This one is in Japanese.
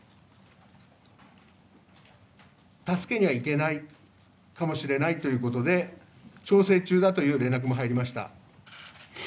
助けには行けないかもしれないということで調整中だという連絡も入りました。